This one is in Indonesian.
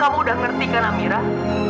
kamu udah ngerti kan amirah